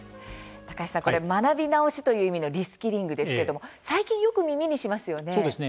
高橋さん学び直しという意味のリスキリングですけれども最近よく耳にしますよね。